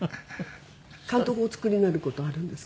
監督お作りになる事あるんですか？